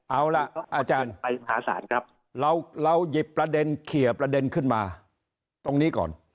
เอาล่ะอาจารย์เราหยิบประเด็นเขียบประเด็นขึ้นมาตรงนี้ก่อน